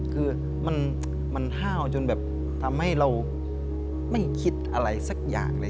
คือมันห้าวจนแบบทำให้เราไม่คิดอะไรสักอย่างเลย